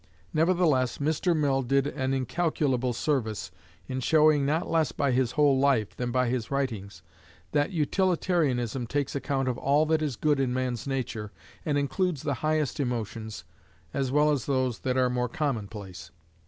Nevertheless Mr. Mill did an incalculable service in showing not less by his whole life, than by his writings, that utilitarianism takes account of all that is good in man's nature, and includes the highest emotions, as well as those that are more commonplace.